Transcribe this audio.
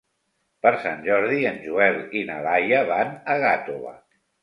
Per Sant Jordi en Joel i na Laia van a Gàtova.